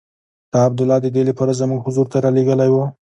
تا عبدالله د دې لپاره زموږ حضور ته رالېږلی وو.